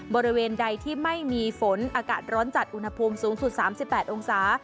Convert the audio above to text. บริเวณใดที่ไม่มีฝนอากาศร้อนจัดอุณหภูมิสูงสุด๓๘องศา